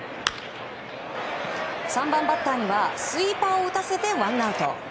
３番バッターにはスイーパーを打たせてワンアウト。